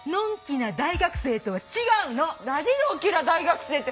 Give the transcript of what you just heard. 何のんきな大学生って。